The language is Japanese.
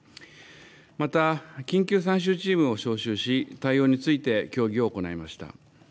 また、緊急参集チームを招集し、対応について協議を行いました。